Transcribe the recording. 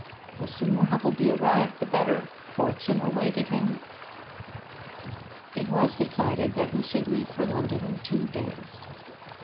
The sooner Humplebee arrived the better; fortune awaited him.' It was decided that he should leave for London in two days.